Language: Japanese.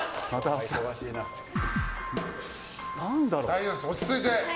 大丈夫です、落ち着いて。